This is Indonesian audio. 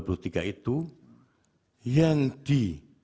buster com akan nyata